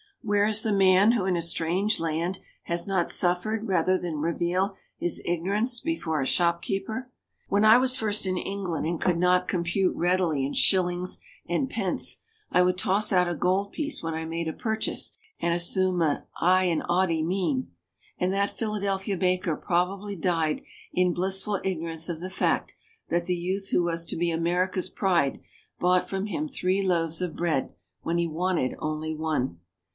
Where is the man who in a strange land has not suffered rather than reveal his ignorance before a shopkeeper? When I was first in England and could not compute readily in shillings and pence, I would toss out a gold piece when I made a purchase and assume a 'igh and 'aughty mien. And that Philadelphia baker probably died in blissful ignorance of the fact that the youth who was to be America's pride bought from him three loaves of bread when he wanted only one.